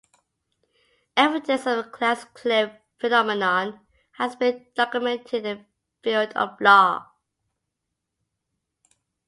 Evidence of the glass cliff phenomenon has been documented in the field of law.